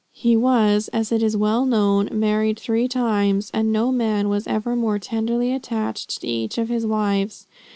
He was, as it is well known, married three times, and no man was ever more tenderly attached to each of his wives.